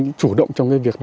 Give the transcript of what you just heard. cũng chủ động trong cái việc